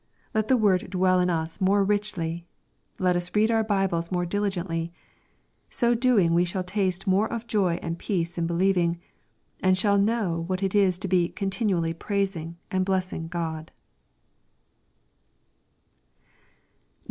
Let the word dwell in us more richly. Let us read our Bibles more diligently. So doing we shall taste more of joy and peace in believing, and shall know what it is to be " continually praising and blessing Gh)d."